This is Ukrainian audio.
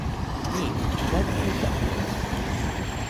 Ні, навіть не так.